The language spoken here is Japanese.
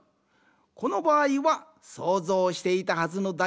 このばあいは想像していたはずのだ